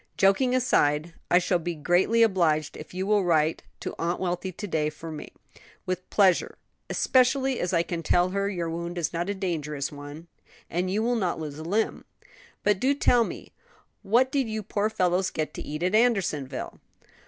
"Joking aside, I shall be greatly obliged if you will write to Aunt Wealthy to day for me." "With pleasure; especially as I can tell her your wound is not a dangerous one, and you will not lose a limb. But do tell me. What did you poor fellows get to eat at Andersonville?"